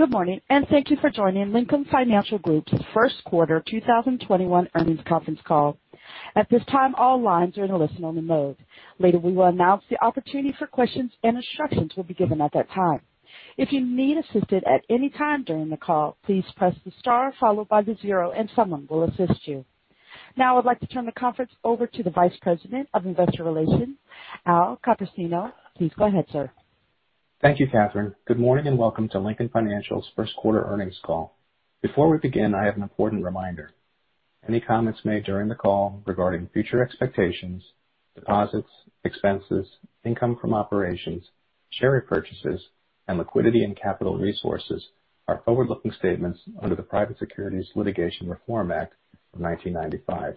Good morning. Thank you for joining Lincoln Financial Group's Q1 2021 Earnings Conference Call. At this time, all lines are in a listen-only mode. Later, we will announce the opportunity for questions, and instructions will be given at that time. If you need assistance at any time during the call, please press the star followed by the zero and someone will assist you. I'd like to turn the conference over to the Vice President of Investor Relations, Al Copersino. Please go ahead, sir. Thank you, Catherine. Good morning and welcome to Lincoln Financial's Q1 earnings call. Before we begin, I have an important reminder. Any comments made during the call regarding future expectations, deposits, expenses, income from operations, share repurchases, and liquidity and capital resources are forward-looking statements under the Private Securities Litigation Reform Act of 1995.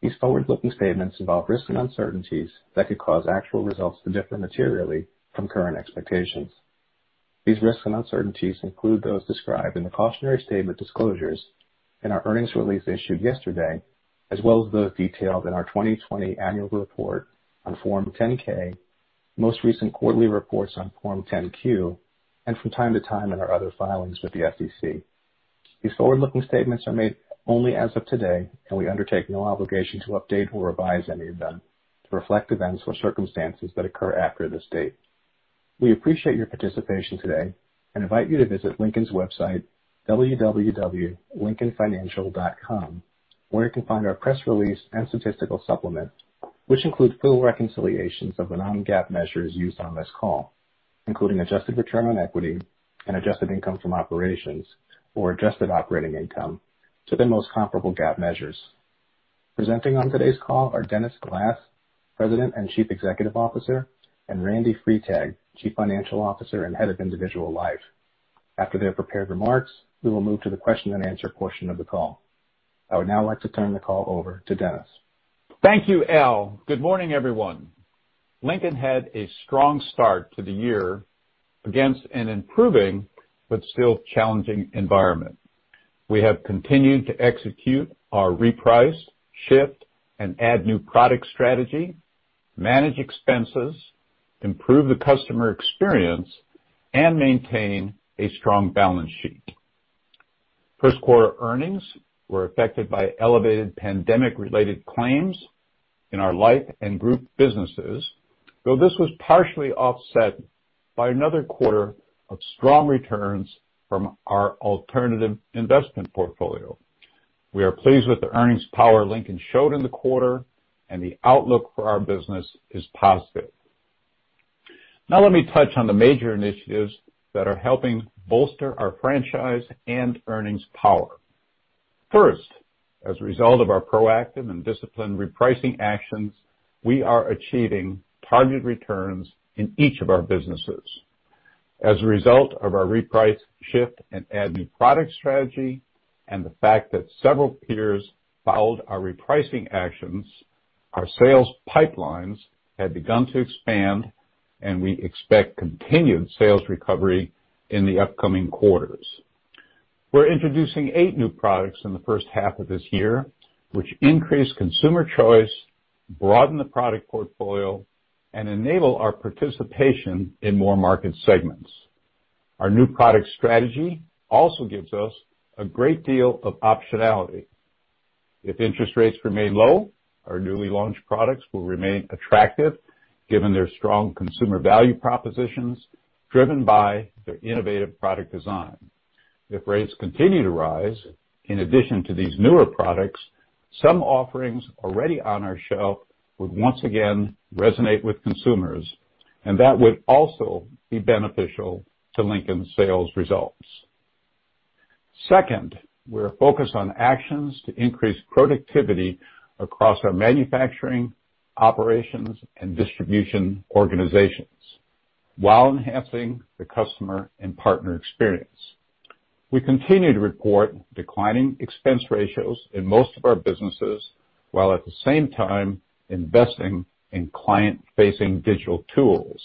These forward-looking statements involve risks and uncertainties that could cause actual results to differ materially from current expectations. These risks and uncertainties include those described in the cautionary statement disclosures in our earnings release issued yesterday, as well as those detailed in our 2020 annual report on Form 10-K, most recent quarterly reports on Form 10-Q, and from time to time in our other filings with the SEC. These forward-looking statements are made only as of today, and we undertake no obligation to update or revise any of them to reflect events or circumstances that occur after this date. We appreciate your participation today and invite you to visit Lincoln's website, www.lincolnfinancial.com, where you can find our press release and statistical supplement, which include full reconciliations of the non-GAAP measures used on this call, including adjusted return on equity and adjusted income from operations or adjusted operating income to the most comparable GAAP measures. Presenting on today's call are Dennis Glass, President and Chief Executive Officer, and Randy Freitag, Chief Financial Officer and Head of Individual Life. After their prepared remarks, we will move to the question-and-answer portion of the call. I would now like to turn the call over to Dennis. Thank you, Al. Good morning, everyone. Lincoln had a strong start to the year against an improving but still challenging environment. We have continued to execute our reprice, shift, and add new product strategy, manage expenses, improve the customer experience, and maintain a strong balance sheet. Q1 earnings were affected by elevated pandemic-related claims in our life and Group Protection businesses, though this was partially offset by another quarter of strong returns from our alternative investment portfolio. We are pleased with the earnings power Lincoln showed in the quarter. The outlook for our business is positive. Now let me touch on the major initiatives that are helping bolster our franchise and earnings power. First, as a result of our proactive and disciplined repricing actions, we are achieving targeted returns in each of our businesses. As a result of our reprice, shift, and add new product strategy and the fact that several peers followed our repricing actions, our sales pipelines have begun to expand, and we expect continued sales recovery in the upcoming quarters. We're introducing eight new products in the first half of this year, which increase consumer choice, broaden the product portfolio, and enable our participation in more market segments. Our new product strategy also gives us a great deal of optionality. If interest rates remain low, our newly launched products will remain attractive given their strong consumer value propositions driven by their innovative product design. If rates continue to rise, in addition to these newer products, some offerings already on our shelf would once again resonate with consumers, and that would also be beneficial to Lincoln's sales results. Second, we're focused on actions to increase productivity across our manufacturing, operations, and distribution organizations while enhancing the customer and partner experience. We continue to report declining expense ratios in most of our businesses, while at the same time investing in client-facing digital tools.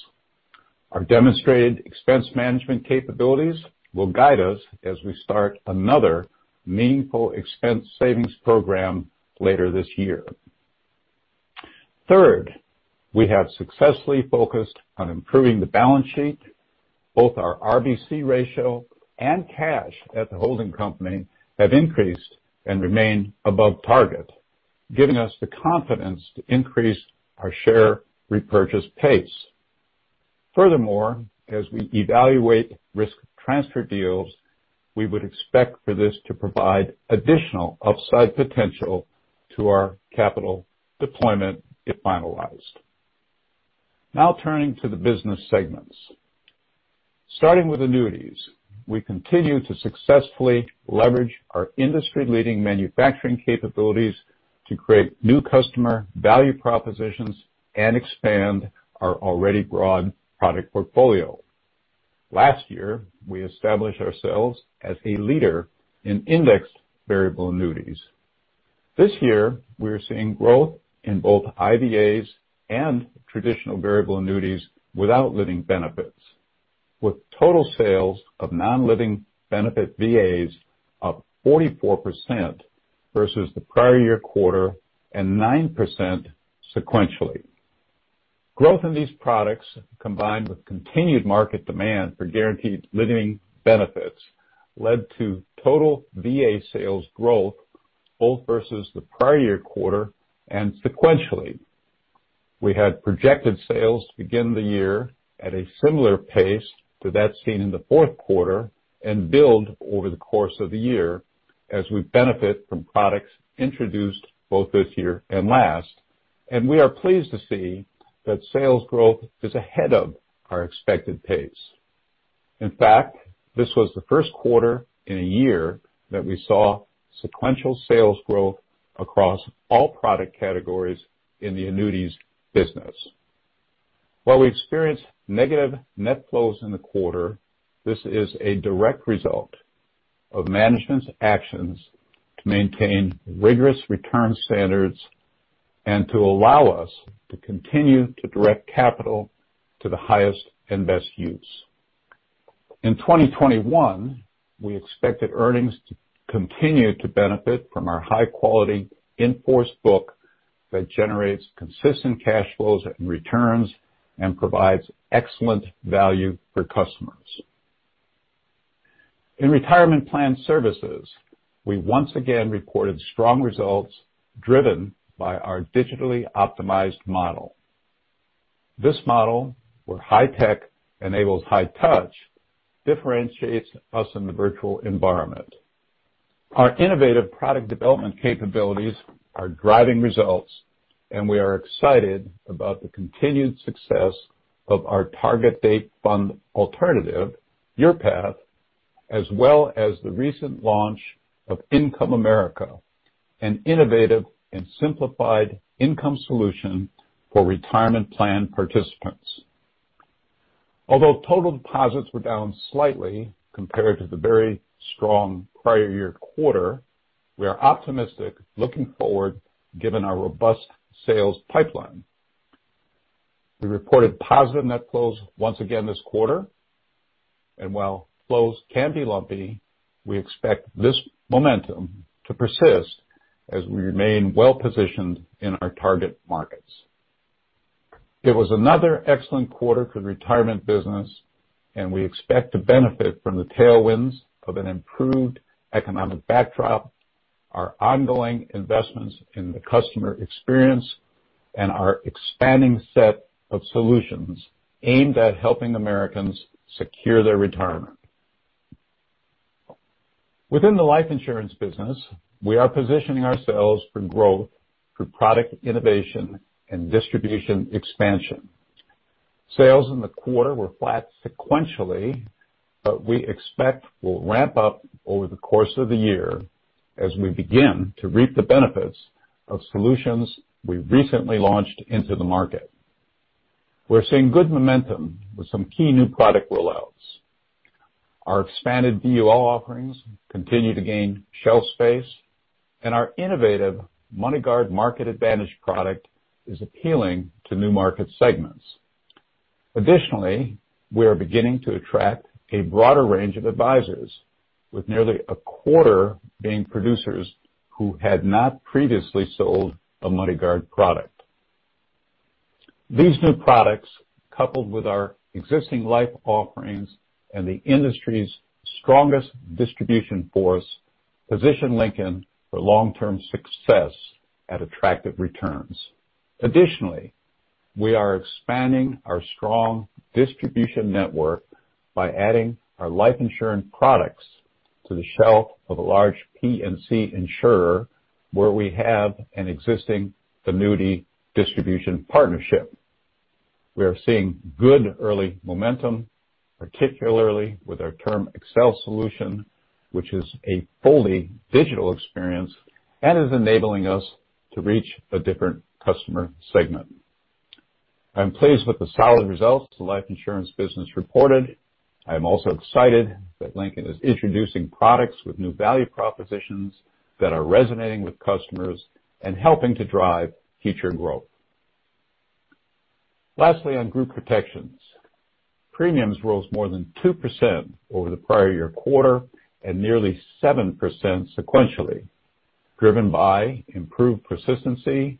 Our demonstrated expense management capabilities will guide us as we start another meaningful expense savings program later this year. Third, we have successfully focused on improving the balance sheet. Both our RBC ratio and cash at the holding company have increased and remain above target, giving us the confidence to increase our share repurchase pace. Furthermore, as we evaluate risk transfer deals, we would expect for this to provide additional upside potential to our capital deployment if finalized. Now turning to the business segments. Starting with annuities, we continue to successfully leverage our industry-leading manufacturing capabilities to create new customer value propositions and expand our already broad product portfolio. Last year, we established ourselves as a leader in indexed variable annuities. This year, we're seeing growth in both IVAs and traditional variable annuities without living benefits. With total sales of non-living benefit VAs up 44% versus the prior year quarter, and 9% sequentially. Growth in these products, combined with continued market demand for guaranteed living benefits, led to total VA sales growth both versus the prior year quarter and sequentially. We had projected sales to begin the year at a similar pace to that seen in the Q4 and build over the course of the year as we benefit from products introduced both this year and last, and we are pleased to see that sales growth is ahead of our expected pace. In fact, this was the first quarter in a year that we saw sequential sales growth across all product categories in the annuities business. While we experienced negative net flows in the quarter, this is a direct result of management's actions to maintain rigorous return standards and to allow us to continue to direct capital to the highest and best use. In 2021, we expected earnings to continue to benefit from our high-quality in-force book that generates consistent cash flows and returns and provides excellent value for customers. In Retirement Plan Services, we once again reported strong results driven by our digitally optimized model. This model, where high tech enables high touch, differentiates us in the virtual environment. Our innovative product development capabilities are driving results, and we are excited about the continued success of our target date fund alternative, YourPath, as well as the recent launch of Income America, an innovative and simplified income solution for retirement plan participants. Although total deposits were down slightly compared to the very strong prior year quarter, we are optimistic looking forward, given our robust sales pipeline. We reported positive net flows once again this quarter. While flows can be lumpy, we expect this momentum to persist as we remain well-positioned in our target markets. It was another excellent quarter for the Retirement business, and we expect to benefit from the tailwinds of an improved economic backdrop, our ongoing investments in the customer experience, and our expanding set of solutions aimed at helping Americans secure their retirement. Within the Life Insurance business, we are positioning ourselves for growth through product innovation and distribution expansion. Sales in the quarter were flat sequentially, but we expect we'll ramp up over the course of the year as we begin to reap the benefits of solutions we recently launched into the market. We're seeing good momentum with some key new product rollouts. Our expanded VUL offerings continue to gain shelf space, and our innovative MoneyGuard Market Advantage product is appealing to new market segments. Additionally, we are beginning to attract a broader range of advisors, with nearly a quarter being producers who had not previously sold a MoneyGuard product. These new products, coupled with our existing life offerings and the industry's strongest distribution force, position Lincoln for long-term success at attractive returns. Additionally, we are expanding our strong distribution network by adding our life insurance products to the shelf of a large P&C insurer where we have an existing annuity distribution partnership. We are seeing good early momentum, particularly with our TermAccel solution, which is a fully digital experience and is enabling us to reach a different customer segment. I'm pleased with the solid results the Life Insurance business reported. I'm also excited that Lincoln is introducing products with new value propositions that are resonating with customers and helping to drive future growth. Lastly, on Group Protection. Premiums rose more than 2% over the prior year quarter and nearly 7% sequentially, driven by improved persistency,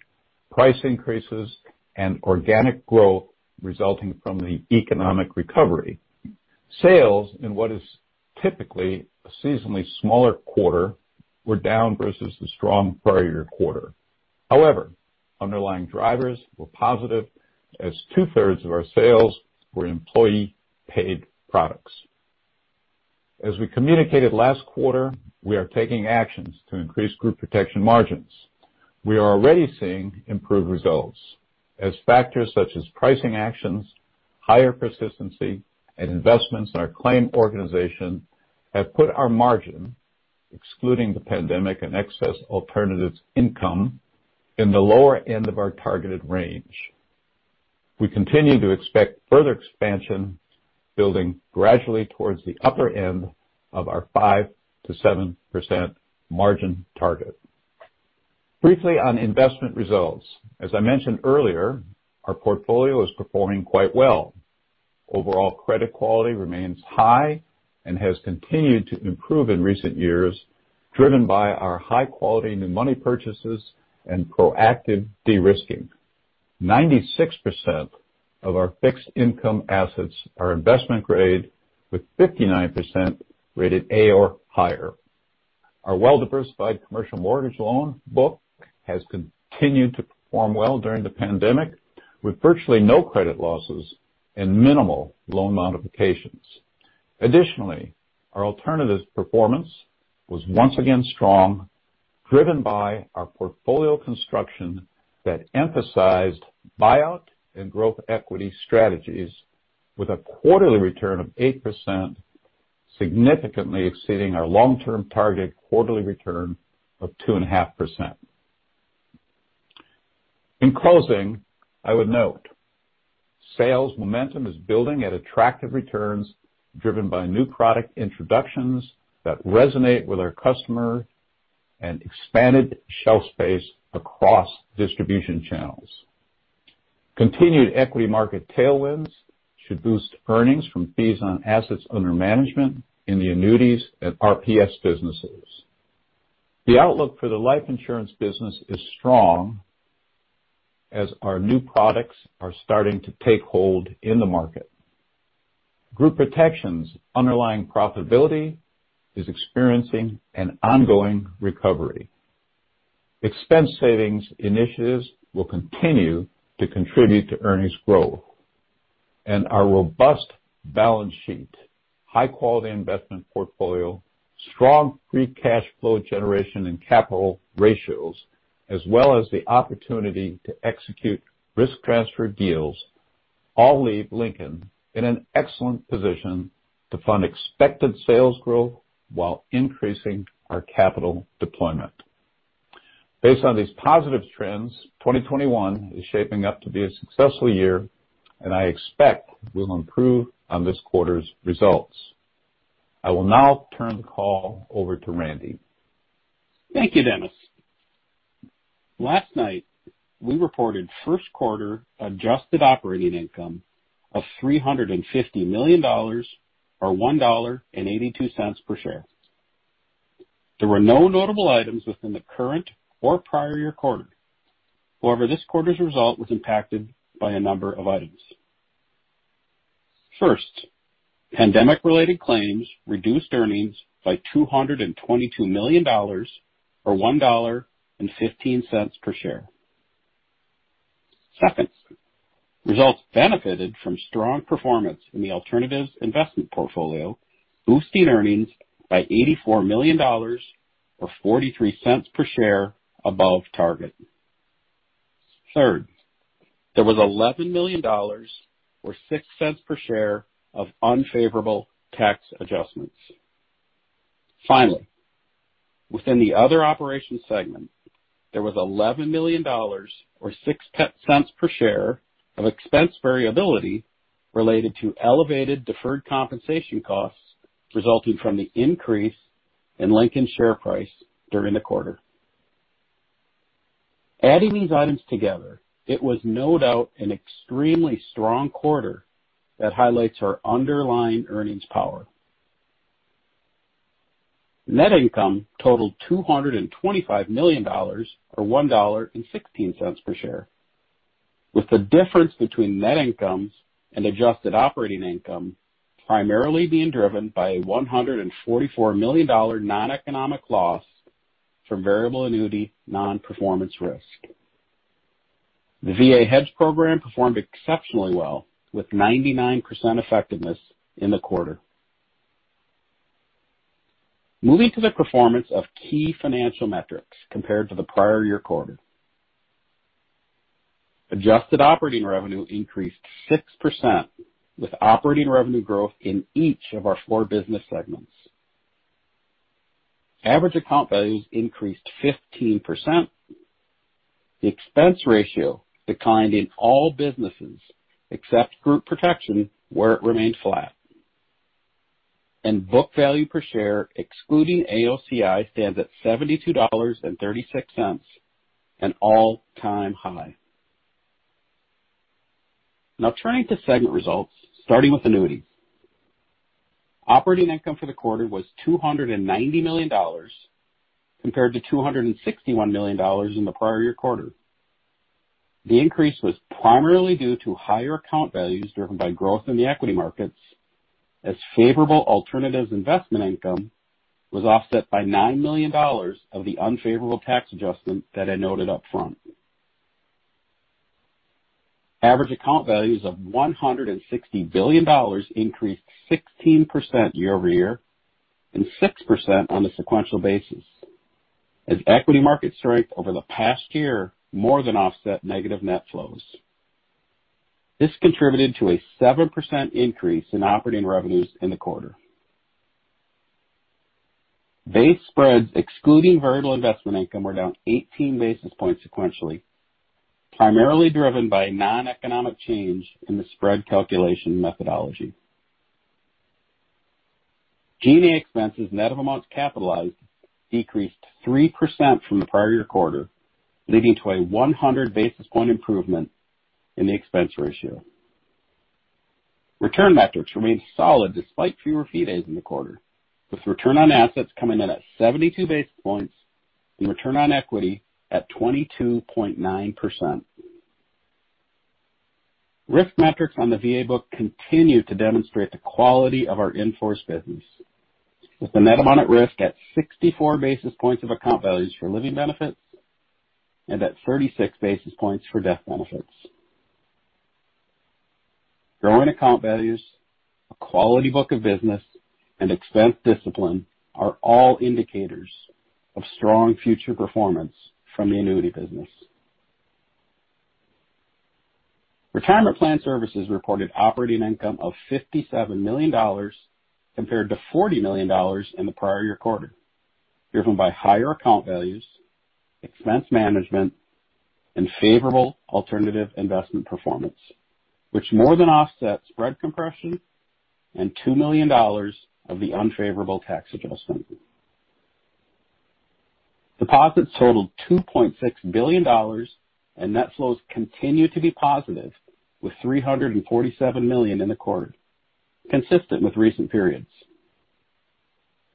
price increases, and organic growth resulting from the economic recovery. Sales, in what is typically a seasonally smaller quarter, were down versus the strong prior year quarter. However, underlying drivers were positive as 2/3 of our sales were employee-paid products. As we communicated last quarter, we are taking actions to increase Group Protection margins. We are already seeing improved results as factors such as pricing actions, higher persistency, and investments in our claim organization have put our margin, excluding the pandemic and excess alternatives income, in the lower end of our targeted range. We continue to expect further expansion building gradually towards the upper end of our 5%-7% margin target. Briefly on investment results. As I mentioned earlier, our portfolio is performing quite well. Overall credit quality remains high and has continued to improve in recent years, driven by our high-quality new money purchases and proactive de-risking. 96% of our fixed income assets are investment grade, with 59% rated A or higher. Our well-diversified commercial mortgage loan book has continued to perform well during the pandemic, with virtually no credit losses and minimal loan modifications. Additionally, our alternatives performance was once again strong, driven by our portfolio construction that emphasized buyout and growth equity strategies with a quarterly return of 8%, significantly exceeding our long-term target quarterly return of 2.5%. In closing, I would note, sales momentum is building at attractive returns, driven by new product introductions that resonate with our customer and expanded shelf space across distribution channels. Continued equity market tailwinds should boost earnings from fees on assets under management in the annuities and RPS businesses. The outlook for the Life Insurance business is strong as our new products are starting to take hold in the market. Group Protection underlying profitability is experiencing an ongoing recovery. Expense savings initiatives will continue to contribute to earnings growth. Our robust balance sheet, high-quality investment portfolio, strong free cash flow generation and capital ratios, as well as the opportunity to execute risk transfer deals all leave Lincoln in an excellent position to fund expected sales growth while increasing our capital deployment. Based on these positive trends, 2021 is shaping up to be a successful year and I expect we'll improve on this quarter's results. I will now turn the call over to Randy. Thank you, Dennis. Last night, we reported Q1 adjusted operating income of $350 million or $1.82 per share. There were no notable items within the current or prior year quarter. However, this quarter's result was impacted by a number of items. First, pandemic-related claims reduced earnings by $222 million or $1.15 per share. Second, results benefited from strong performance in the alternatives investment portfolio, boosting earnings by $84 million or $0.43 per share above target. Third, there was $11 million or $0.06 per share of unfavorable tax adjustments. Finally, within the other operations segment, there was $11 million or $0.06 per share of expense variability related to elevated deferred compensation costs resulting from the increase in Lincoln share price during the quarter. Adding these items together, it was no doubt an extremely strong quarter that highlights our underlying earnings power. Net income totaled $225 million or $1.16 per share. With the difference between net incomes and adjusted operating income primarily being driven by a $144 million non-economic loss from variable annuity non-performance risk. The VA hedge program performed exceptionally well with 99% effectiveness in the quarter. Moving to the performance of key financial metrics compared to the prior year quarter. Adjusted operating revenue increased 6% with operating revenue growth in each of our four business segments. Average account values increased 15%. The expense ratio declined in all businesses except Group Protection, where it remained flat. Book value per share excluding AOCI stands at $72.36, an all-time high. Now turning to segment results, starting with Annuities. Operating income for the quarter was $290 million compared to $261 million in the prior-year quarter. The increase was primarily due to higher account values driven by growth in the equity markets, as favorable alternative investment income was offset by $9 million of the unfavorable tax adjustment that I noted up front. Average account values of $160 billion increased 16% year-over-year and 6% on a sequential basis as equity market strength over the past year more than offset negative net flows. This contributed to a 7% increase in operating revenues in the quarter. Base spreads excluding variable investment income were down 18 basis points sequentially, primarily driven by non-economic change in the spread calculation methodology. G&A expenses net of amounts capitalized decreased 3% from the prior year quarter, leading to a 100 basis point improvement in the expense ratio. Return metrics remained solid despite fewer fee days in the quarter, with return on assets coming in at 72 basis points and return on equity at 22.9%. Risk metrics on the VA book continue to demonstrate the quality of our in-force business with the net amount at risk at 64 basis points of account values for living benefits and at 36 basis points for death benefits. Growing account values, a quality book of business, and expense discipline are all indicators of strong future performance from the Annuity business. Retirement Plan Services reported operating income of $57 million compared to $40 million in the prior-year quarter, driven by higher account values, expense management, and favorable alternative investment income, which more than offset spread compression and $2 million of the unfavorable tax adjustment. Deposits totaled $2.6 billion. Net flows continue to be positive, with $347 million in the quarter, consistent with recent periods.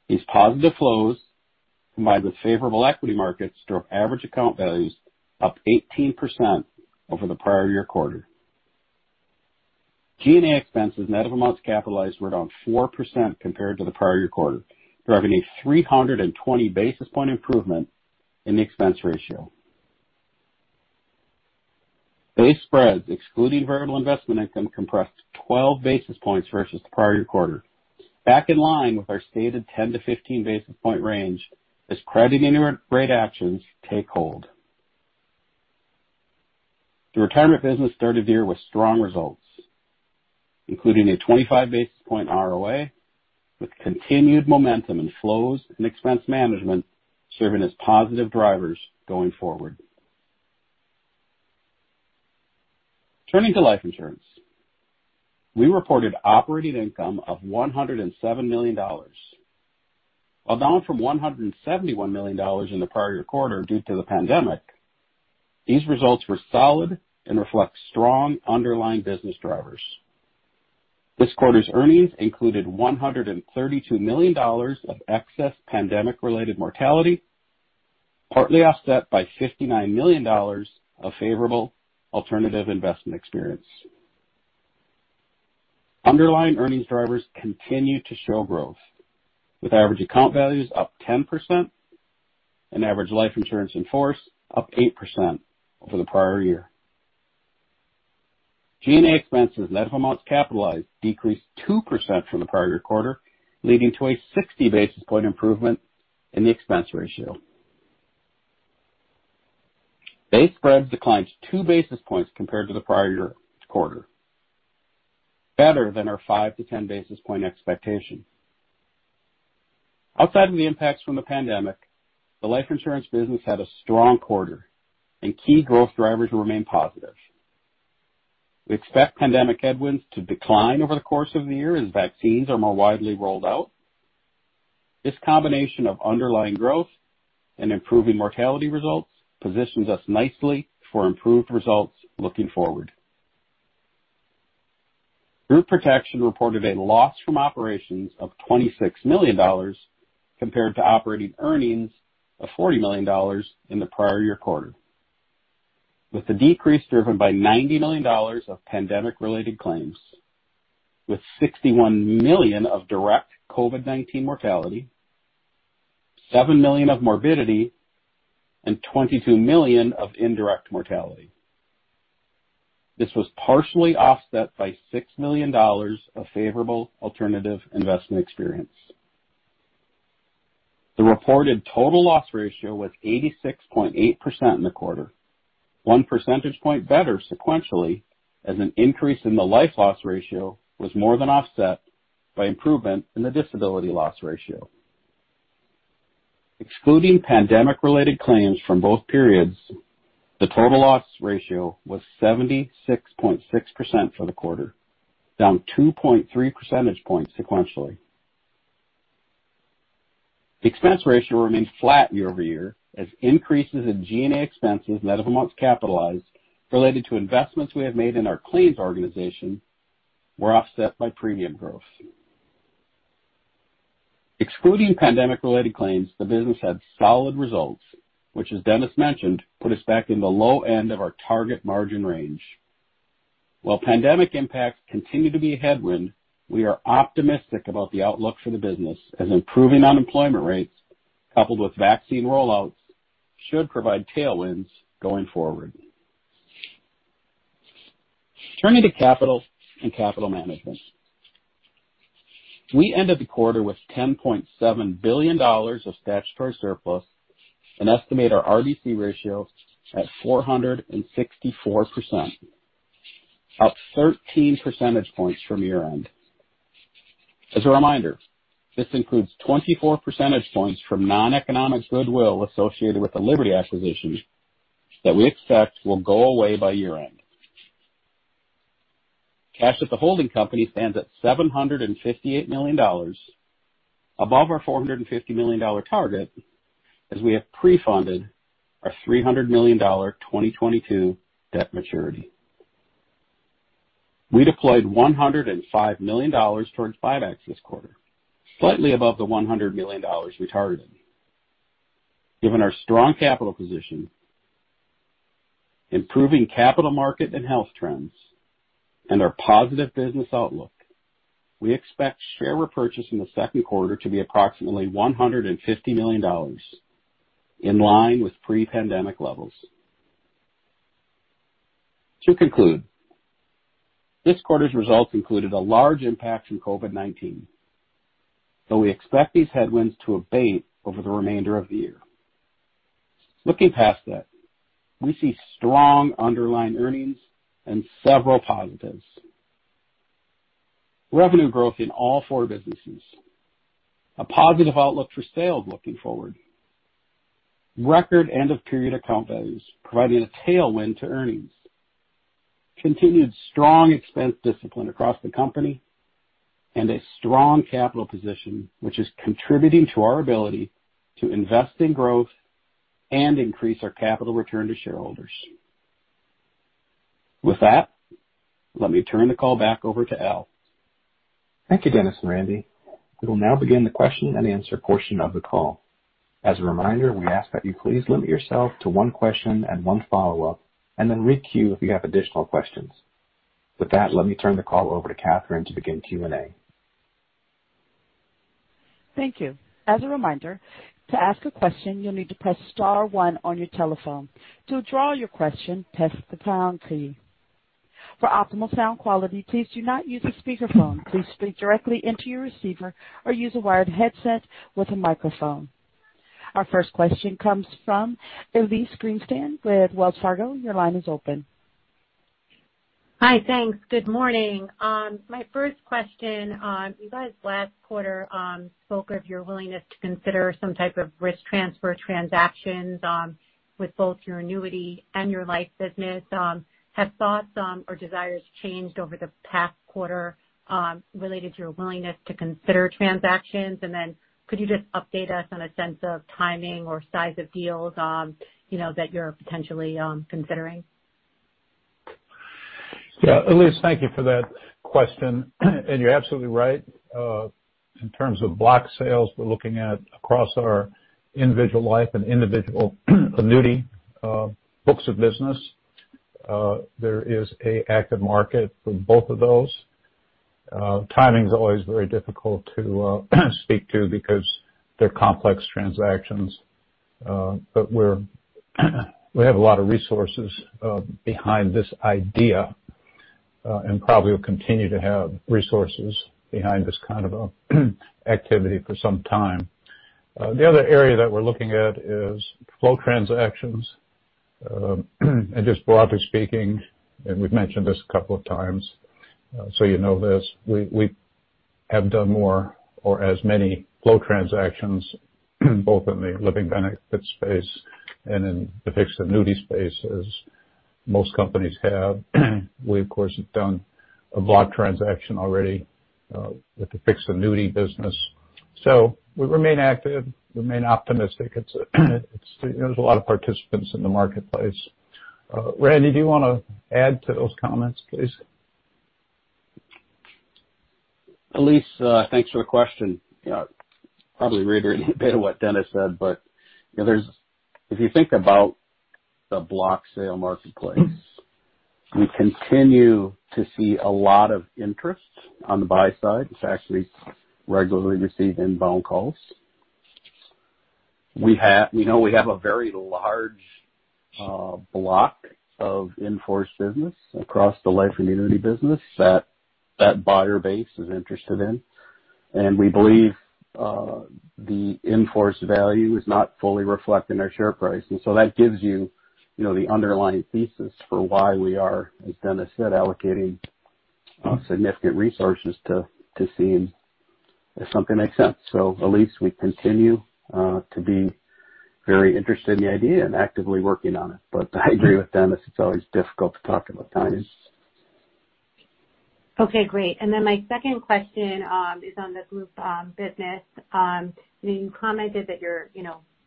These positive flows combined with favorable equity markets drove average account values up 18% over the prior-year quarter. G&A expenses net of amounts capitalized were down 4% compared to the prior-year quarter, driving a 320 basis point improvement in the expense ratio. Base spreads excluding variable investment income compressed 12 basis points versus the prior-year quarter, back in line with our stated 10 to 15 basis point range as credit rate actions take hold. The retirement business started the year with strong results, including a 25 basis point ROA with continued momentum in flows and expense management serving as positive drivers going forward. Turning to Life Insurance, we reported operating income of $107 million. While down from $171 million in the prior year quarter due to the pandemic, these results were solid and reflect strong underlying business drivers. This quarter's earnings included $132 million of excess pandemic-related mortality, partly offset by $59 million of favorable alternative investment experience. Underlying earnings drivers continue to show growth, with average account values up 10% and average life insurance in force up 8% over the prior year. G&A expenses net of amounts capitalized decreased 2% from the prior year quarter, leading to a 60 basis point improvement in the expense ratio. Base spreads declined two basis points compared to the prior year quarter, better than our 5-10 basis point expectation. Outside of the impacts from the pandemic, the Life Insurance business had a strong quarter and key growth drivers remain positive. We expect pandemic headwinds to decline over the course of the year as vaccines are more widely rolled out. This combination of underlying growth and improving mortality results positions us nicely for improved results looking forward. Group Protection reported a loss from operations of $26 million compared to operating earnings of $40 million in the prior year quarter, with the decrease driven by $90 million of pandemic-related claims with $61 million of direct COVID-19 mortality, $7 million of morbidity, and $22 million of indirect mortality. This was partially offset by $6 million of favorable alternative investment experience. The reported total loss ratio was 86.8% in the quarter, one percentage point better sequentially as an increase in the life loss ratio was more than offset by improvement in the disability loss ratio. Excluding pandemic-related claims from both periods, the total loss ratio was 76.6% for the quarter, down 2.3 percentage points sequentially. The expense ratio remained flat year-over-year as increases in G&A expenses net of amounts capitalized related to investments we have made in our claims organization were offset by premium growth. Excluding pandemic-related claims, the business had solid results, which, as Dennis mentioned, put us back in the low end of our target margin range. While pandemic impacts continue to be a headwind, we are optimistic about the outlook for the business as improving unemployment rates coupled with vaccine rollouts should provide tailwinds going forward. Turning to capital and capital management, we ended the quarter with $10.7 billion of statutory surplus and estimate our RBC ratio at 464%, up 13 percentage points from year-end. As a reminder, this includes 24 percentage points from non-economic goodwill associated with the Liberty acquisition that we expect will go away by year-end. Cash at the holding company stands at $758 million, above our $450 million target, as we have pre-funded our $300 million 2022 debt maturity. We deployed $105 million towards buybacks this quarter, slightly above the $100 million we targeted. Given our strong capital position, improving capital market and health trends, and our positive business outlook, we expect share repurchase in the Q2 to be approximately $150 million, in line with pre-pandemic levels. To conclude, this quarter's results included a large impact from COVID-19. We expect these headwinds to abate over the remainder of the year. Looking past that, we see strong underlying earnings and several positives. Revenue growth in all four businesses, a positive outlook for sales looking forward, record end-of-period account values providing a tailwind to earnings, continued strong expense discipline across the company, and a strong capital position, which is contributing to our ability to invest in growth and increase our capital return to shareholders. With that, let me turn the call back over to Al. Thank you, Dennis and Randy. We will now begin the question and answer portion of the call. As a reminder, we ask that you please limit yourself to one question and one follow-up, and then re-queue if you have additional questions. With that, let me turn the call over to Catherine to begin Q&A. Thank you. As a reminder, to ask a question, you'll need to press star one on your telephone. To withdraw your question, press the pound key. For optimal sound quality, please do not use a speakerphone. Please speak directly into your receiver or use a wired headset with a microphone. Our first question comes from Elyse Greenspan with Wells Fargo. Your line is open. Hi. Thanks. Good morning. My first question. You guys last quarter spoke of your willingness to consider some type of risk transfer transactions with both your Annuity and your Life business. Have thoughts or desires changed over the past quarter related to your willingness to consider transactions? Could you just update us on a sense of timing or size of deals that you're potentially considering? Yeah, Elyse, thank you for that question. You're absolutely right. In terms of block sales, we're looking at across our Individual Life and Individual Annuity books of business. There is a active market for both of those. Timing's always very difficult to speak to because they're complex transactions. We have a lot of resources behind this idea, and probably will continue to have resources behind this kind of activity for some time. The other area that we're looking at is flow transactions. Just broadly speaking, and we've mentioned this a couple of times, so you know this, we have done more or as many flow transactions both in the living benefit space and in the fixed annuity space as most companies have. We, of course, have done a block transaction already with the fixed Annuity business. We remain active, remain optimistic. There's a lot of participants in the marketplace. Randy, do you want to add to those comments, please? Elyse, thanks for the question. Probably reiterate a bit of what Dennis said, but if you think about the block sale marketplace, we continue to see a lot of interest on the buy side. It's actually regularly received inbound calls. We know we have a very large block of in-force business across the Life and Annuity business that that buyer base is interested in, and we believe the in-force value is not fully reflected in our share price. That gives you the underlying thesis for why we are, as Dennis said, allocating significant resources to seeing if something makes sense. Elyse, we continue to be very interested in the idea and actively working on it. I agree with Dennis, it's always difficult to talk about timing. Okay, great. Then my second question is on the Group business. You commented that you're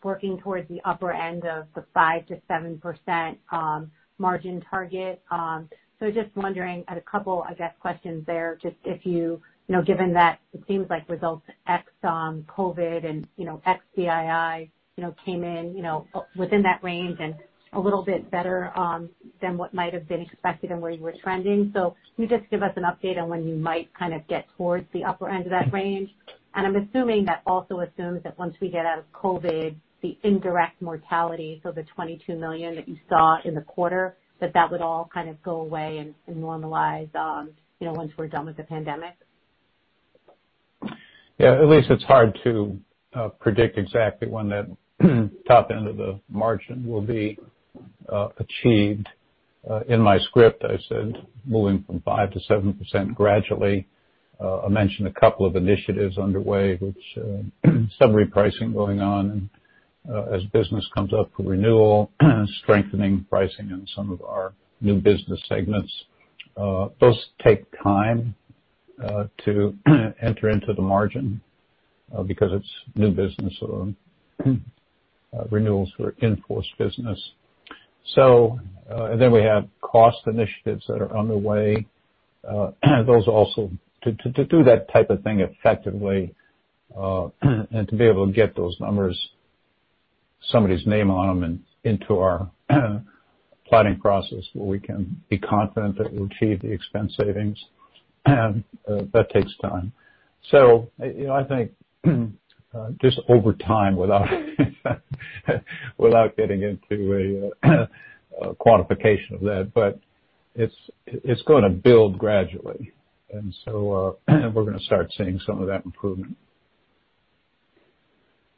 working towards the upper end of the 5%-7% margin target. Just wondering a couple, I guess, questions there, given that it seems like results ex-COVID and ex-CII came in within that range and a little bit better than what might have been expected and where you were trending. Can you just give us an update on when you might kind of get towards the upper end of that range? I'm assuming that also assumes that once we get out of COVID, the indirect mortality, so the $22 million that you saw in the quarter, that would all kind of go away and normalize once we're done with the pandemic. Yeah, Elyse, it's hard to predict exactly when that top end of the margin will be achieved. In my script, I said moving from 5% to 7% gradually. I mentioned a couple of initiatives underway, which some repricing going on and. As business comes up for renewal, strengthening pricing in some of our new business segments. Those take time to enter into the margin because it's new business or renewals for in-force business. Then we have cost initiatives that are underway. To do that type of thing effectively, and to be able to get those numbers, somebody's name on them and into our planning process where we can be confident that we'll achieve the expense savings, that takes time. I think, just over time, without getting into a quantification of that, but it's going to build gradually. We're going to start seeing some of that improvement.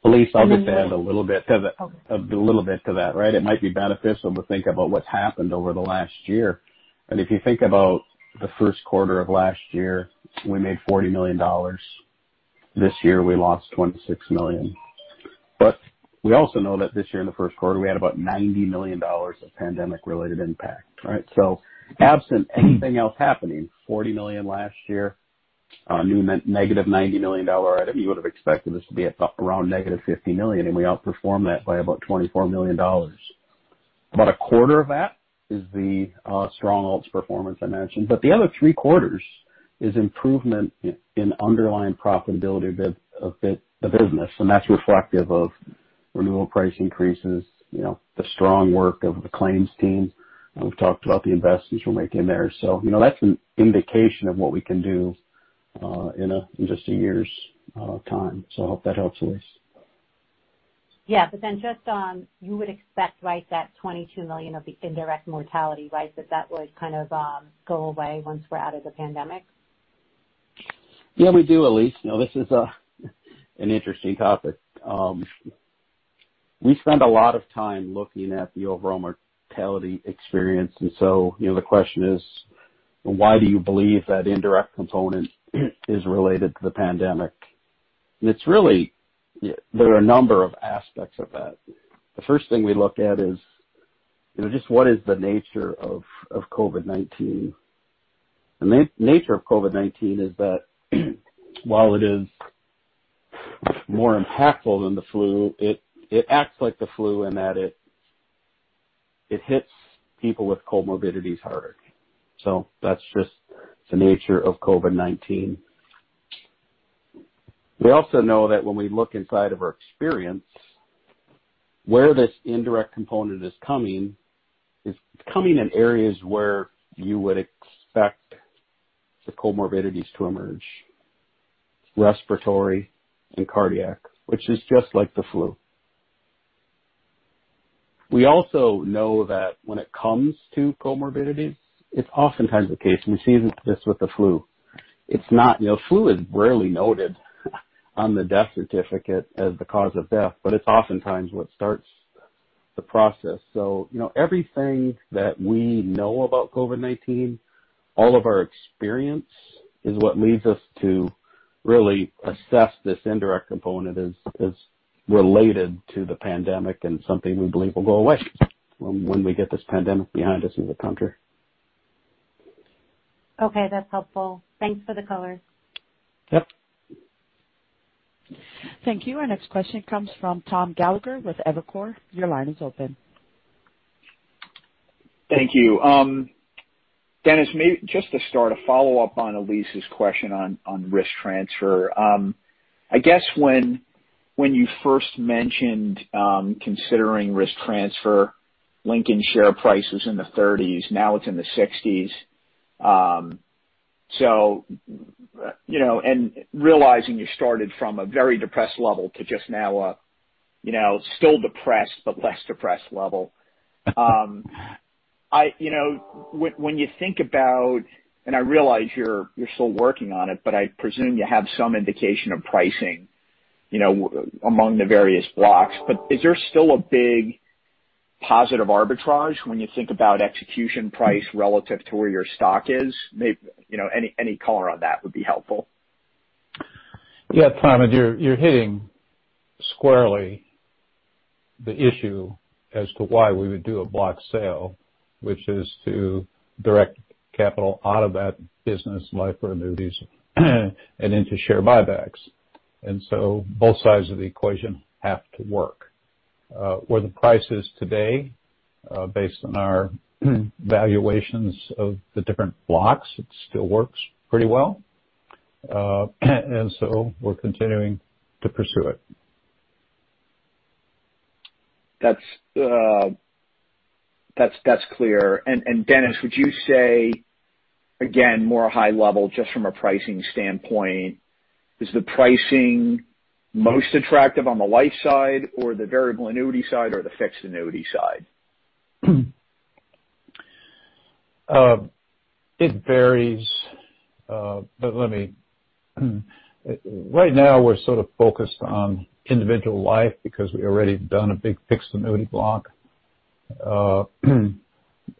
Elyse, I'll just add a little bit to that. It might be beneficial to think about what happened a little last year. If you think about the Q1 of last year, we made $40 million. This year, we lost $26 million. We also know that this year in the Q1, we had about $90 million of pandemic-related impact. Absent anything else happening, $40 million last year, a new -$90 million item, you would have expected this to be around -$50 million, and we outperformed that by about $24 million. About a quarter of that is the strong alts performance I mentioned, but the other three-quarters is improvement in underlying profitability of the business, and that's reflective of renewal price increases, the strong work of the claims team. We've talked about the investments we're making there. That's an indication of what we can do in just a year's time. I hope that helps, Elyse. Yeah. Just on, you would expect that $22 million of the indirect mortality, that that would kind of go away once we're out of the pandemic? We do, Elyse. This is an interesting topic. We spend a lot of time looking at the overall mortality experience, and so the question is, why do you believe that indirect component is related to the pandemic? There are a number of aspects of that. The first thing we look at is just what is the nature of COVID-19? The nature of COVID-19 is that while it is more impactful than the flu, it acts like the flu in that it hits people with comorbidities harder. That's just the nature of COVID-19. We also know that when we look inside of our experience, where this indirect component is coming, it's coming in areas where you would expect the comorbidities to emerge, respiratory and cardiac, which is just like the flu. We also know that when it comes to comorbidities, it's oftentimes the case, and you see this with the flu. Flu is rarely noted on the death certificate as the cause of death, but it's oftentimes what starts the process. Everything that we know about COVID-19, all of our experience is what leads us to really assess this indirect component as related to the pandemic and something we believe will go away when we get this pandemic behind us as a country. Okay, that's helpful. Thanks for the color. Yep. Thank you. Our next question comes from Tom Gallagher with Evercore. Your line is open. Thank you. Dennis, maybe just to start, a follow-up on Elyse's question on risk transfer. I guess when you first mentioned considering risk transfer, Lincoln share price was in the 30s, now it's in the 60s. And realizing you started from a very depressed level to just now a still depressed but less depressed level. When you think about, and I realize you're still working on it, but I presume you have some indication of pricing among the various blocks. Is there still a big positive arbitrage when you think about execution price relative to where your stock is? Maybe any color on that would be helpful. Yeah, Tom, you're hitting squarely the issue as to why we would do a block sale, which is to direct capital out of that business, Life or Annuities, and into share buybacks. Both sides of the equation have to work. Where the price is today, based on our valuations of the different blocks, it still works pretty well. We're continuing to pursue it. That's clear. Dennis, would you say, again, more high level, just from a pricing standpoint, is the pricing most attractive on the life side or the variable annuity side or the fixed annuity side? It varies. Right now we're sort of focused on Individual Life because we've already done a big fixed annuity block.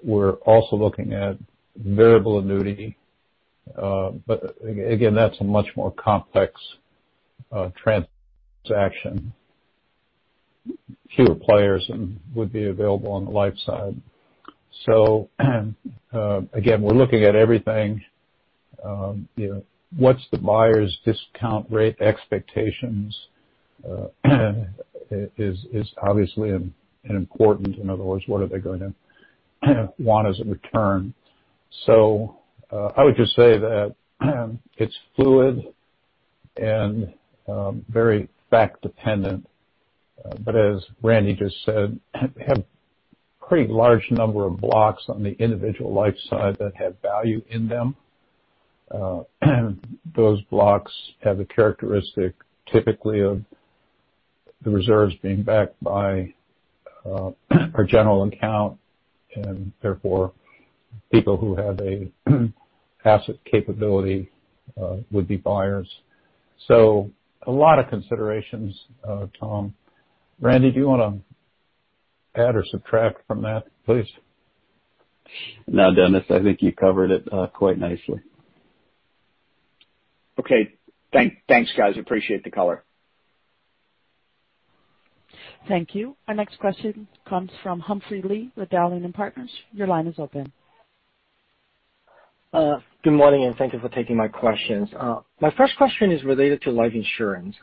We're also looking at variable annuity. Again, that's a much more complex transaction. Fewer players would be available on the life side. Again, we're looking at everything. What's the buyer's discount rate expectations is obviously an important. In other words, what are they going to want as a return? I would just say that it's fluid and very fact dependent. As Randy just said, we have a pretty large number of blocks on the Individual Life side that have value in them. Those blocks have a characteristic typically of the reserves being backed by our general account, and therefore, people who have an asset capability would be buyers. A lot of considerations, Tom. Randy, do you want to add or subtract from that, please? No, Dennis, I think you covered it quite nicely. Okay, thanks, guys. Appreciate the color. Thank you. Our next question comes from Humphrey Lee with Dowling & Partners. Your line is open. Good morning. Thank you for taking my questions. My first question is related to life insurance.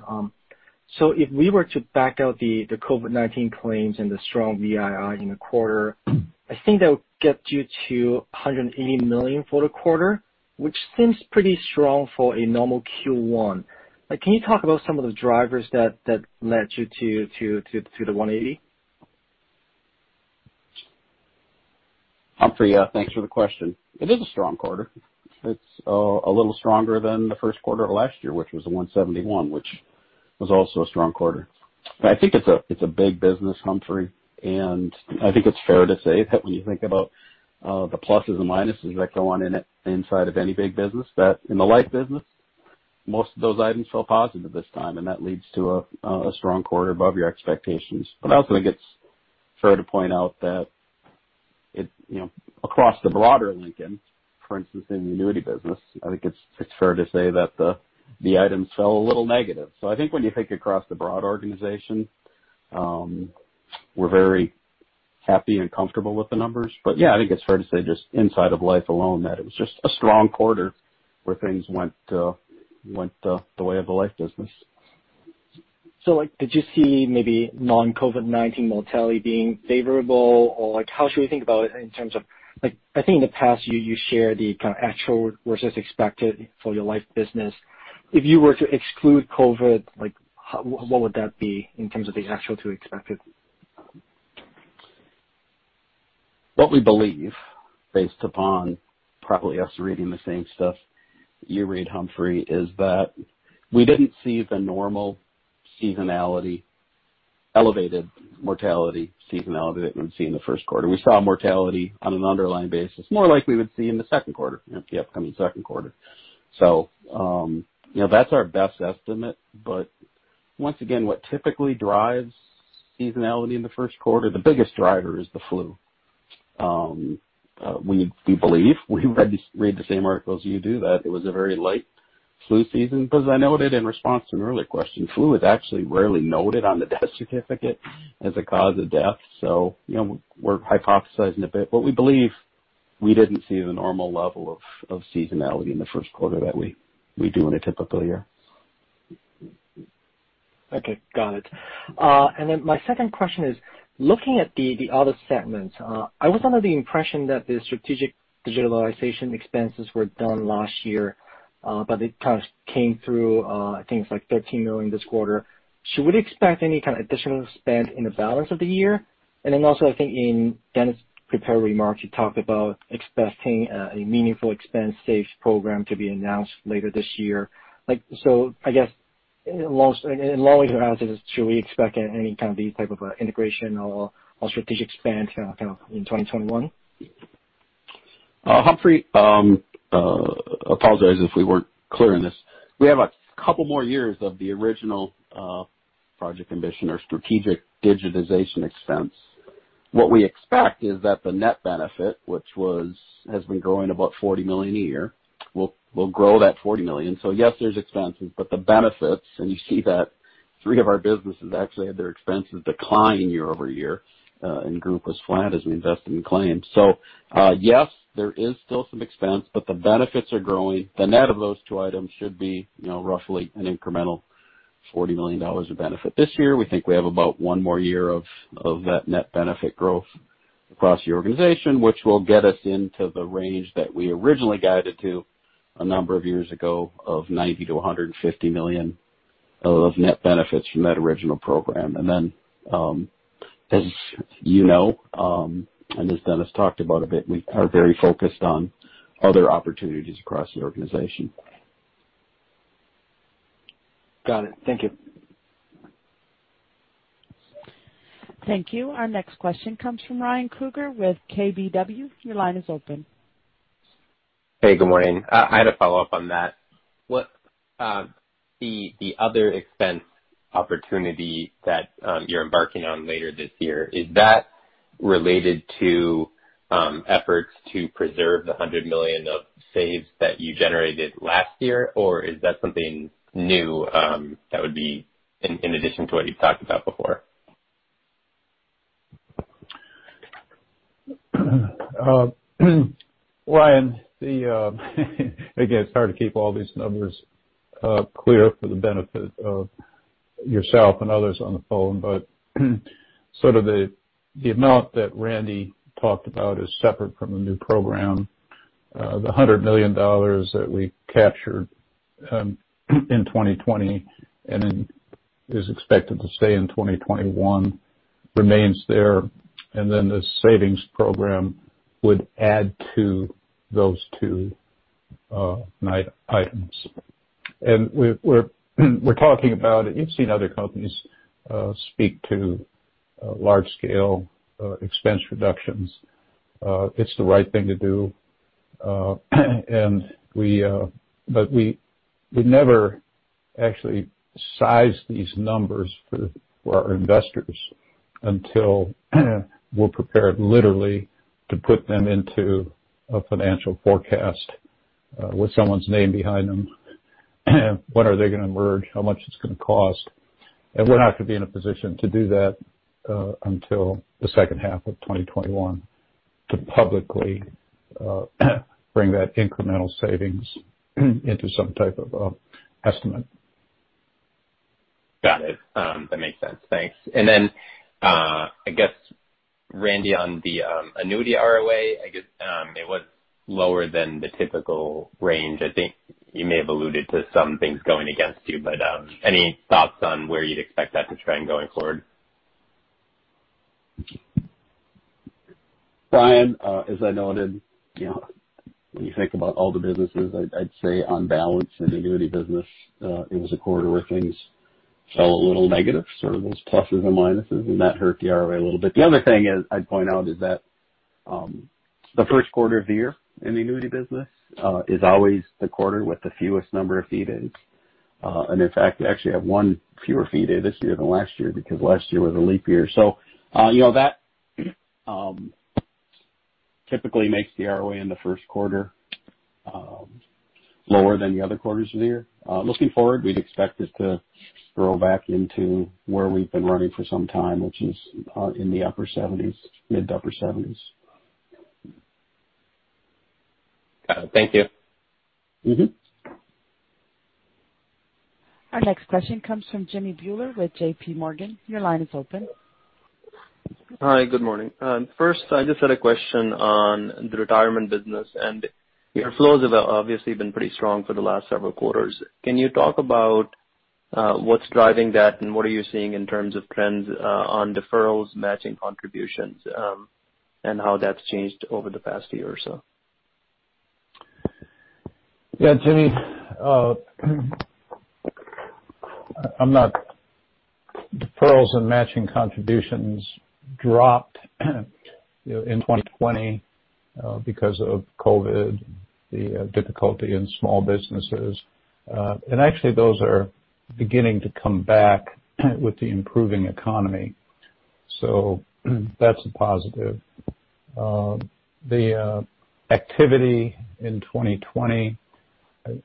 If we were to back out the COVID-19 claims and the strong VII in the quarter, I think that would get you to $180 million for the quarter, which seems pretty strong for a normal Q1. Can you talk about some of the drivers that led you to the $180 million? Humphrey, thanks for the question. It is a strong quarter. It's a little stronger than the Q1 of last year, which was the $171 million, which was also a strong quarter. I think it's a big business, Humphrey, and I think it's fair to say that when you think about the pluses and minuses that go on in it inside of any big business, that in the Life business, most of those items feel positive this time, and that leads to a strong quarter above your expectations. I also think it's fair to point out that across the broader Lincoln, for instance, in the Annuity business, I think it's fair to say that the items fell a little negative. I think when you think across the broad organization, we're very happy and comfortable with the numbers. Yeah, I think it's fair to say just inside of Life alone, that it was just a strong quarter where things went the way of the Life business. Did you see maybe non-COVID-19 mortality being favorable? How should we think about it in terms of, I think in the past, you shared the kind of actual versus expected for your Life business. If you were to exclude COVID, what would that be in terms of the actual to expected? What we believe, based upon probably us reading the same stuff you read, Humphrey, is that we didn't see the normal seasonality, elevated mortality seasonality that we've seen in the Q1. We saw mortality on an underlying basis, more like we would see in the Q2, the upcoming Q2. That's our best estimate. Once again, what typically drives seasonality in the Q1, the biggest driver is the flu. We believe, we read the same articles you do, that it was a very light flu season, because I noted in response to an earlier question, flu is actually rarely noted on the death certificate as a cause of death. We're hypothesizing a bit. We believe we didn't see the normal level of seasonality in the Q1 that we do in a typical year. Okay. Got it. My second question is, looking at the other segments, I was under the impression that the strategic digitalization expenses were done last year, but it kind of came through, I think it's like $13 million this quarter. Should we expect any kind of additional spend in the balance of the year? Also, I think in Dennis' prepared remarks, you talked about expecting a meaningful expense saves program to be announced later this year. I guess in laymen's terms, should we expect any kind of these type of integration or strategic spend in 2021? Humphrey, apologize if we weren't clear on this. We have a couple more years of the original project conditioner strategic digitization expense. What we expect is that the net benefit, which has been growing about $40 million a year, will grow that $40 million. Yes, there's expenses, but the benefits, and you see that three of our businesses actually had their expenses decline year-over-year, and Group was flat as we invested in claims. Yes, there is still some expense, but the benefits are growing. The net of those two items should be roughly an incremental $40 million of benefit this year. We think we have about one more year of that net benefit growth across the organization, which will get us into the range that we originally guided to a number of years ago of $90 million-$150 million of net benefits from that original program. Then as you know, and as Dennis talked about a bit, we are very focused on other opportunities across the organization. Got it. Thank you. Thank you. Our next question comes from Ryan Krueger with KBW. Your line is open. Hey, good morning. I had a follow-up on that. The other expense opportunity that you're embarking on later this year, is that related to efforts to preserve the $100 million of saves that you generated last year? Or is that something new that would be in addition to what you've talked about before? Ryan, again, it's hard to keep all these numbers clear for the benefit of yourself and others on the phone. Sort of the amount that Randy talked about is separate from the new program. The $100 million that we captured in 2020 and is expected to stay in 2021 remains there. This savings program would add to those two items. We're talking about, you've seen other companies speak to large scale expense reductions. It's the right thing to do. We never actually size these numbers for our investors until we're prepared literally to put them into a financial forecast with someone's name behind them. When are they going to emerge, how much it's going to cost. We're not going to be in a position to do that until the second half of 2021 to publicly bring that incremental savings into some type of estimate. Got it. That makes sense. Thanks. Then, I guess, Randy, on the annuity ROA, I guess it was lower than the typical range. I think you may have alluded to some things going against you, but any thoughts on where you'd expect that to trend going forward? Ryan, as I noted, when you think about all the businesses, I'd say on balance in the Annuity business, it was a quarter where things fell a little negative, sort of those pluses and minuses, and that hurt the ROA a little bit. The other thing is, I'd point out is that, the Q1 of the year in the Annuity business is always the quarter with the fewest number of fee days. In fact, we actually have one fewer fee day this year than last year because last year was a leap year. That typically makes the ROA in the Q1 lower than the other quarters of the year. Looking forward, we'd expect this to grow back into where we've been running for some time, which is in the upper 70s, mid to upper 70s. Got it. Thank you. Our next question comes from Jimmy Bhullar with J.P. Morgan. Your line is open. Hi. Good morning. First, I just had a question on the retirement business. Your flows have obviously been pretty strong for the last several quarters. Can you talk about what's driving that, what are you seeing in terms of trends on deferrals, matching contributions, and how that's changed over the past year or so? Yeah, Jimmy, deferrals and matching contributions dropped in 2020 because of COVID, the difficulty in small businesses. Actually, those are beginning to come back with the improving economy. That's a positive. The activity in 2020,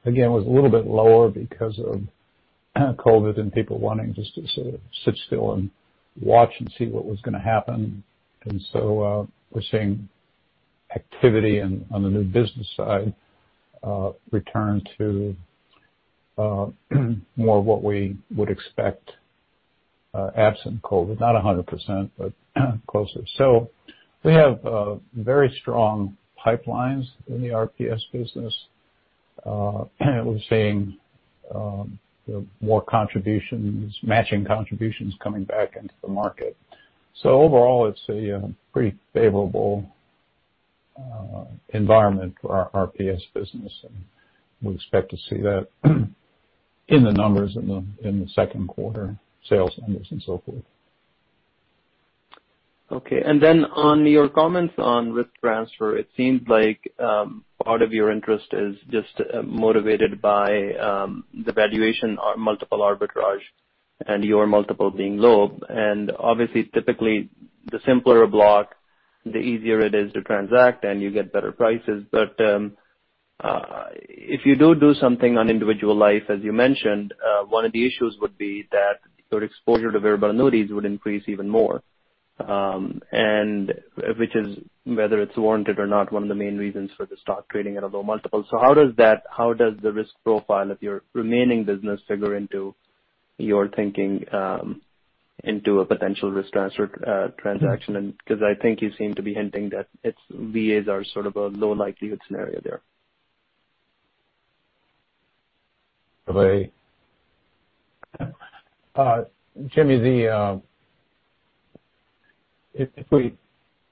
again, was a little bit lower because of COVID and people wanting just to sort of sit still and watch and see what was going to happen. We're seeing activity on the new business side return to more what we would expect absent COVID, not 100%, but closer. We have very strong pipelines in the RPS business. We're seeing more contributions, matching contributions coming back into the market. Overall, it's a pretty favorable environment for our RPS business, and we expect to see that in the numbers in the Q2 sales numbers and so forth. Okay. On your comments on risk transfer, it seems like part of your interest is just motivated by the valuation multiple arbitrage and your multiple being low. Obviously, typically, the simpler a block, the easier it is to transact, and you get better prices. If you do something on Individual Life, as you mentioned, one of the issues would be that your exposure to variable annuities would increase even more, which is, whether it's warranted or not, one of the main reasons for the stock trading at a low multiple. How does the risk profile of your remaining business figure into your thinking into a potential risk transfer transaction? Because I think you seem to be hinting that VAs are sort of a low likelihood scenario there. Jimmy, if we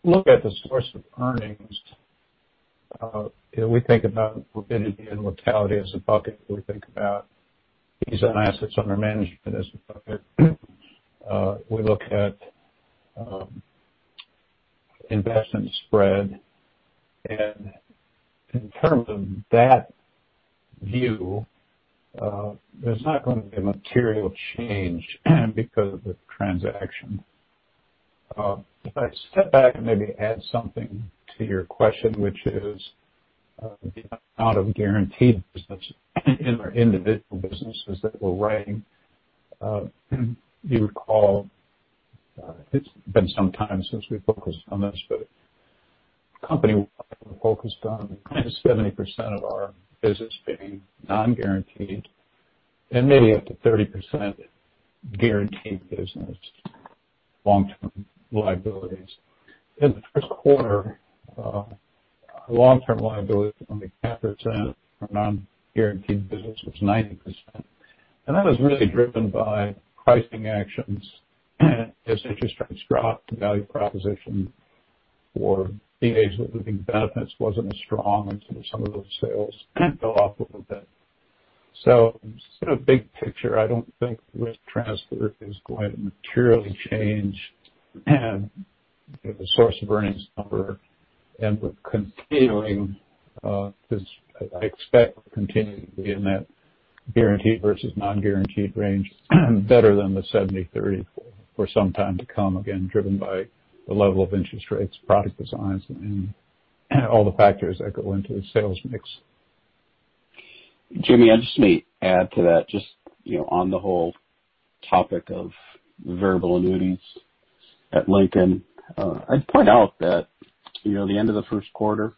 look at the source of earnings, we think about morbidity and mortality as a bucket. We think about fees on assets under management as a bucket. We look at investment spread. In terms of that view, there's not going to be a material change because of the transaction. If I step back and maybe add something to your question, which is the amount of guaranteed business in our individual businesses that we're writing. You recall, it's been some time since we focused on this, but the company focused on 70% of our business being non-guaranteed and maybe up to 30% guaranteed business long-term liabilities. In the Q1, long-term liabilities were only 10%, our non-guaranteed business was 90%. That was really driven by pricing actions as interest rates dropped, the value proposition for VA living benefits wasn't as strong, and so some of those sales fell off a little bit. Sort of big picture, I don't think risk transfer is going to materially change the source of earnings number. I expect we'll continue to be in that guaranteed versus non-guaranteed range better than the 70/30 for some time to come, again, driven by the level of interest rates, product designs, and all the factors that go into the sales mix. Jimmy, I just may add to that just on the whole topic of variable annuities at Lincoln. I'd point out that the end of the Q1,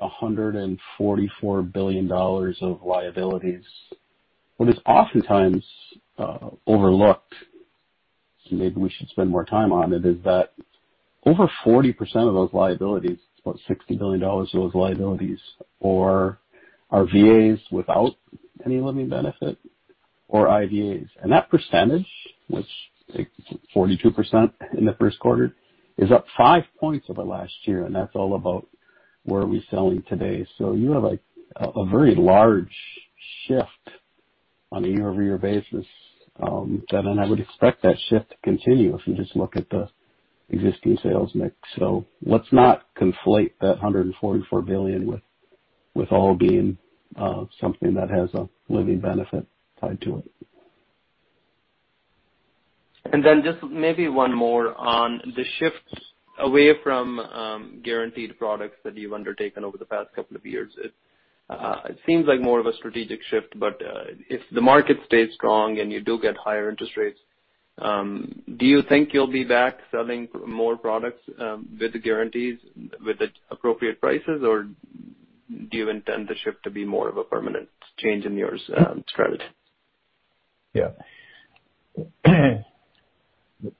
$144 billion of liabilities, what is oftentimes overlooked, maybe we should spend more time on it, is that over 40% of those liabilities, about $60 billion of those liabilities are VAs without any living benefit or IVAs. That percentage, which, 42% in the Q1, is up five points over last year, and that's all about where are we selling today. You have a very large shift on a year-over-year basis. I would expect that shift to continue if you just look at the existing sales mix. Let's not conflate that $144 billion with all being something that has a living benefit tied to it. Just maybe one more on the shifts away from guaranteed products that you've undertaken over the past couple of years. It seems like more of a strategic shift, but if the market stays strong and you do get higher interest rates, do you think you'll be back selling more products with the guarantees with the appropriate prices, or do you intend the shift to be more of a permanent change in your spread? Yeah.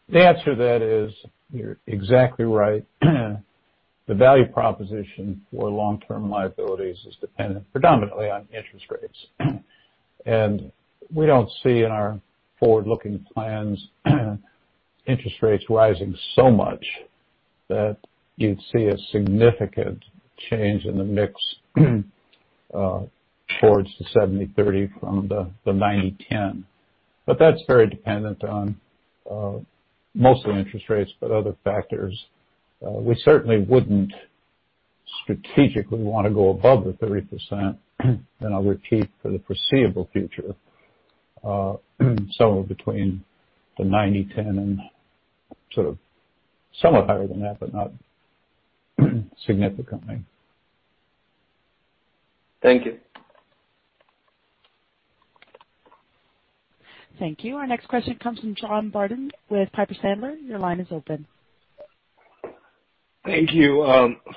The answer to that is you're exactly right. The value proposition for long-term liabilities is dependent predominantly on interest rates. We don't see in our forward-looking plans interest rates rising so much that you'd see a significant change in the mix towards the 70/30 from the 90/10. That's very dependent on mostly interest rates, but other factors. We certainly wouldn't strategically want to go above the 30%, and I'll repeat for the foreseeable future, somewhere between the 90/10 and sort of somewhat higher than that, but not significantly. Thank you. Thank you. Our next question comes from John Barnidge with Piper Sandler. Your line is open. Thank you.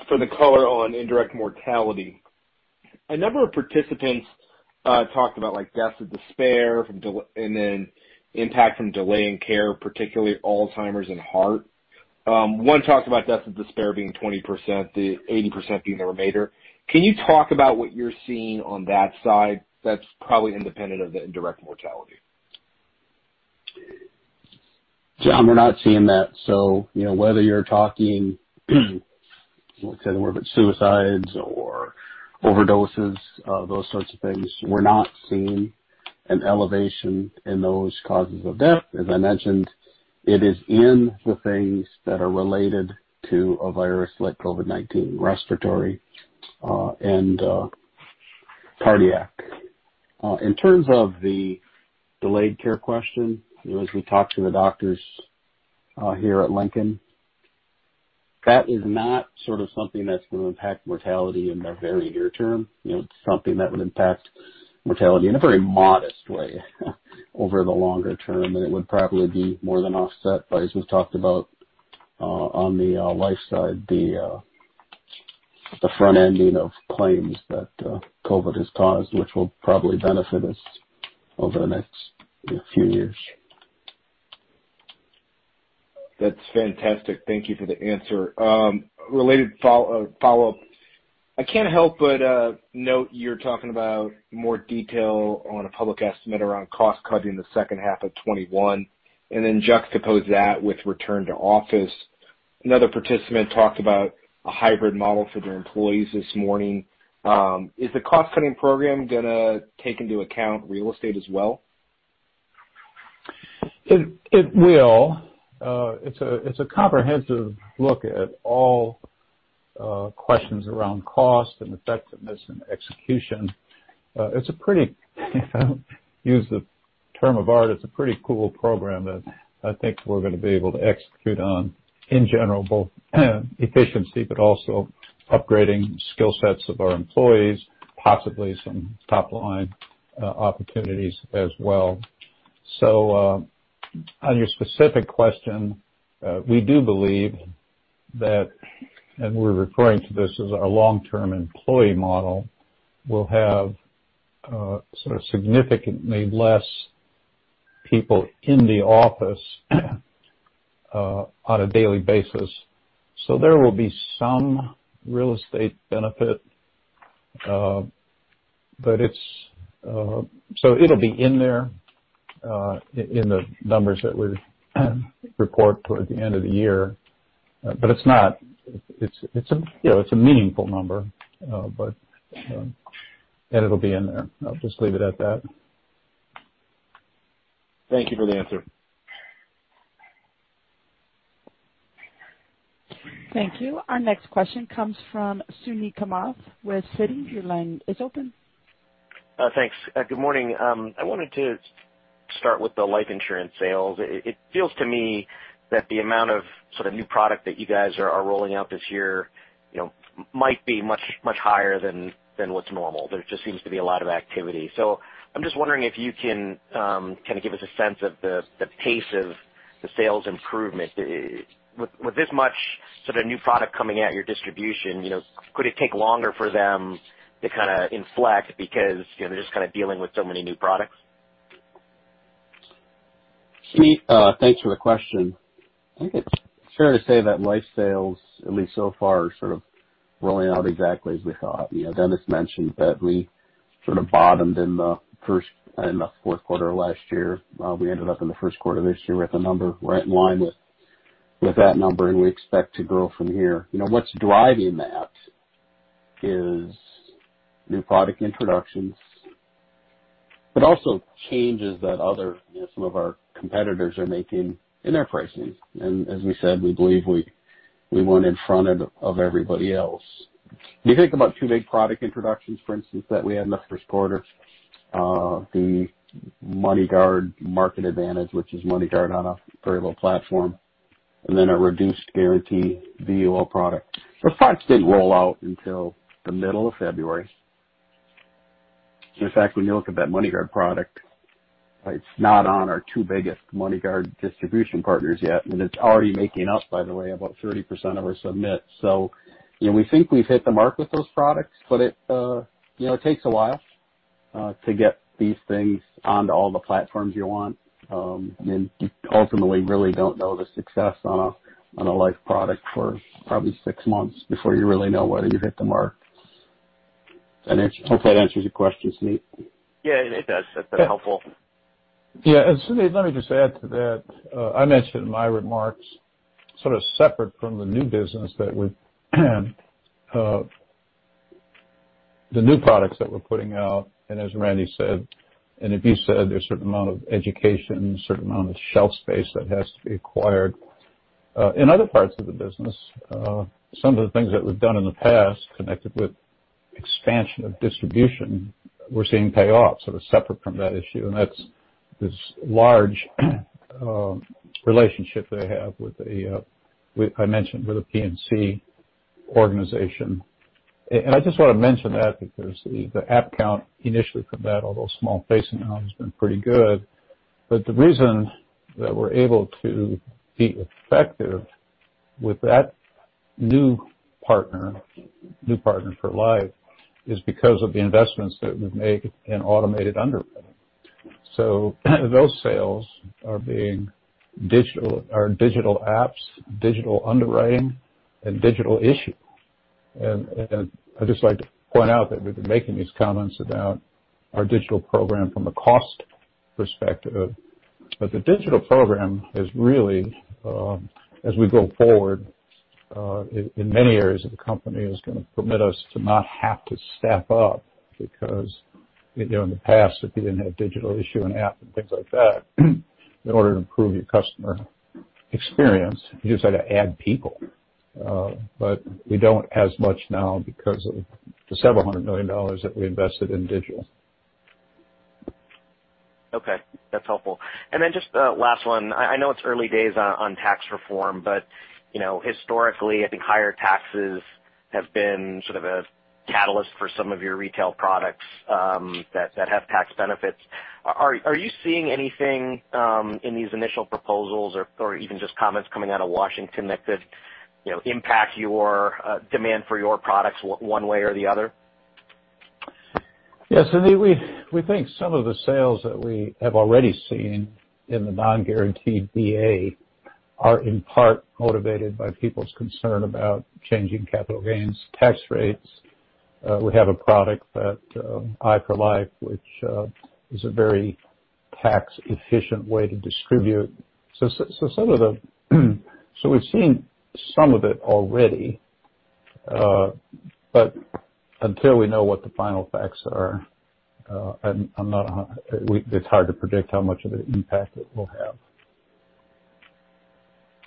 For the color on indirect mortality, a number of participants talked about deaths of despair and then impact from delay in care, particularly Alzheimer's and heart. One talked about deaths of despair being 20%, the 80% being the remainder. Can you talk about what you're seeing on that side that's probably independent of the indirect mortality? John, we're not seeing that. Whether you're talking, don't want to say the word, but suicides or overdoses, those sorts of things, we're not seeing an elevation in those causes of death. As I mentioned, it is in the things that are related to a virus like COVID-19, respiratory and cardiac. In terms of the delayed care question, as we talk to the doctors here at Lincoln, that is not sort of something that's going to impact mortality in the very near term. It's something that would impact mortality in a very modest way over the longer term, and it would probably be more than offset by, as we've talked about on the life side, the front-ending of claims that COVID has caused, which will probably benefit us over the next few years. That's fantastic. Thank you for the answer. Related follow-up. I can't help but note you're talking about more detail on a public estimate around cost-cutting the second half of 2021, and then juxtapose that with return to office. Another participant talked about a hybrid model for their employees this morning. Is the cost-cutting program going to take into account real estate as well? It will. It's a comprehensive look at all questions around cost and effectiveness and execution. To use the term of art, it's a pretty cool program that I think we're going to be able to execute on in general, both efficiency, but also upgrading skill sets of our employees, possibly some top-line opportunities as well. On your specific question, we do believe that, and we're referring to this as our long-term employee model, we'll have sort of significantly less people in the office on a daily basis. There will be some real estate benefit. It'll be in there in the numbers that we report toward the end of the year. It's a meaningful number, but it'll be in there. I'll just leave it at that. Thank you for the answer. Thank you. Our next question comes from Suneet Kamath with Citi. Your line is open. Thanks. Good morning. I wanted to start with the life insurance sales. It feels to me that the amount of sort of new product that you guys are rolling out this year might be much higher than what's normal. There just seems to be a lot of activity. I'm just wondering if you can kind of give us a sense of the pace of the sales improvement. With this much sort of new product coming at your distribution, could it take longer for them to kind of inflect because they're just kind of dealing with so many new products? Suneet, thanks for the question. I think it's fair to say that life sales, at least so far, are sort of rolling out exactly as we thought. Dennis mentioned that we sort of bottomed in the Q4 last year. We ended up in the Q1 of this year with a number right in line with that number, and we expect to grow from here. What's driving that is new product introductions, but also changes that some of our competitors are making in their pricing. As we said, we believe we won in front of everybody else. When you think about two big product introductions, for instance, that we had in the Q1, the MoneyGuard Market Advantage, which is MoneyGuard on a variable platform, and then a reduced guarantee VUL product. Those products didn't roll out until the middle of February. In fact, when you look at that MoneyGuard product, it's not on our two biggest MoneyGuard distribution partners yet, and it's already making up, by the way, about 30% of our submits. We think we've hit the mark with those products, but it takes a while to get these things onto all the platforms you want. You ultimately really don't know the success on a life product for probably six months before you really know whether you hit the mark. I hope that answers your question, Suneet. Yeah, it does. That's helpful. Yeah. Suneet, let me just add to that. I mentioned in my remarks, sort of separate from the new business that we have, the new products that we're putting out, and as Randy said, and if you said there's a certain amount of education, a certain amount of shelf space that has to be acquired. In other parts of the business, some of the things that we've done in the past connected with expansion of distribution, we're seeing pay off sort of separate from that issue, and that's this large relationship that I have with, I mentioned, with the PNC organization. I just want to mention that because the app count initially from that, although small base amount, has been pretty good. The reason that we're able to be effective with that new partner for life is because of the investments that we've made in automated underwriting. Those sales are digital apps, digital underwriting, and digital issue. I'd just like to point out that we've been making these comments about our digital program from a cost perspective. The digital program is really, as we go forward, in many areas of the company, is going to permit us to not have to staff up because in the past, if you didn't have digital issue and app and things like that, in order to improve your customer experience, you just had to add people. We don't as much now because of the several hundred million dollars that we invested in digital. Okay, that's helpful. Just the last one. I know it's early days on tax reform, historically, I think higher taxes have been sort of a catalyst for some of your retail products that have tax benefits. Are you seeing anything in these initial proposals or even just comments coming out of Washington that could impact your demand for your products one way or the other? Yes, Suneet, we think some of the sales that we have already seen in the non-guaranteed VA are in part motivated by people's concern about changing capital gains tax rates. We have a product, i4LIFE, which is a very tax-efficient way to distribute. We've seen some of it already. Until we know what the final facts are, it's hard to predict how much of an impact it will have.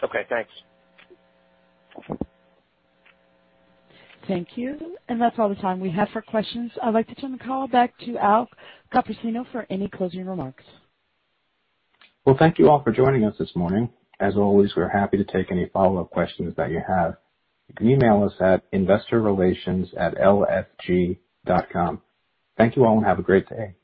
Okay, thanks. Thank you. That's all the time we have for questions. I'd like to turn the call back to Al Copersino for any closing remarks. Well, thank you all for joining us this morning. As always, we're happy to take any follow-up questions that you have. You can email us at investorrelations@lfg.com. Thank you all, and have a great day.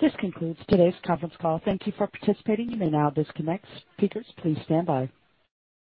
This concludes today's conference call. Thank you for participating. You may now disconnect. Speakers, please standby.